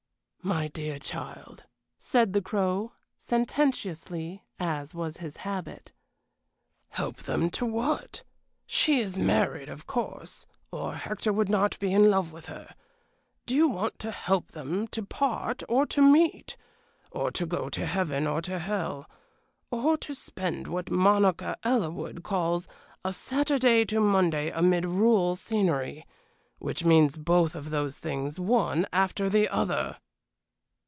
"My dear child," said the Crow, sententiously, as was his habit, "help them to what? She is married, of course, or Hector would not be in love with her. Do you want to help them to part or to meet? or to go to heaven or to hell? or to spend what Monica Ellerwood calls 'a Saturday to Monday amid rural scenery,' which means both of those things one after the other!"